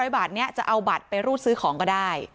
๐บาทนี้จะเอาบัตรไปรูดซื้อของก็ได้